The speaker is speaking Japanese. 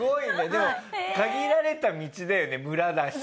でも限られた道だよね村だし。